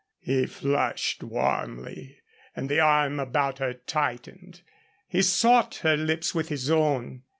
He flushed warmly, and the arm about her tightened. He sought her lips with his own.